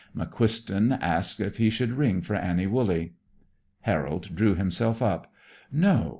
McQuiston asked if he should ring for Annie Wooley. Harold drew himself up. "No.